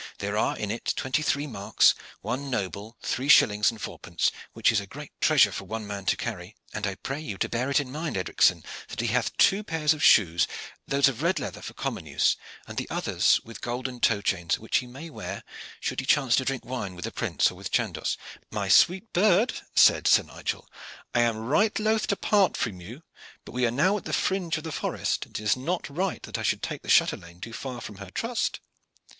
"There are in it twenty three marks, one noble, three shillings and fourpence, which is a great treasure for one man to carry. And I pray you to bear in mind, Edricson, that he hath two pair of shoes, those of red leather for common use, and the others with golden toe chains, which he may wear should he chance to drink wine with the Prince or with Chandos." "My sweet bird," said Sir Nigel, "I am right loth to part from you, but we are now at the fringe of the forest, and it is not right that I should take the chatelaine too far from her trust."